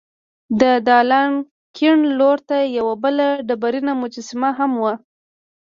د دالان کیڼ لور ته یوه بله ډبرینه مجسمه هم وه.